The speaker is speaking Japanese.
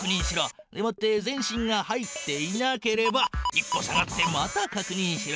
でもって全身が入っていなければ１歩下がってまたかくにんしろ。